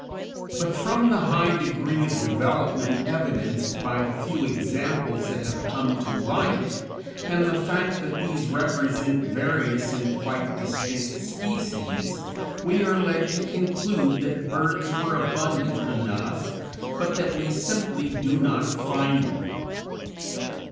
But from the high degree of development evidenced by the few examples that have come to light, and the fact that these represent various and quite distinct species, we are led to conclude that birds were abundant enough, but that we simply do not find them.